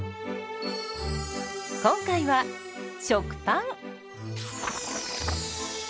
今回は食パン。